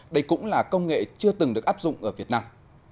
đây cũng là công nghệ chưa từng được áp dụng ở việt nam